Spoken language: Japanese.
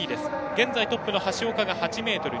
現在トップの橋岡が８ｍ２７。